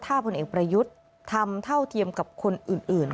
ถ้าพลเอกประยุทธ์ทำเท่าเทียมกับคนอื่น